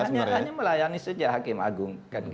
hanya melayani saja hakim agung